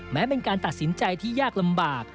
แม้เป็นการตัดสินใจที่ยากลำบาก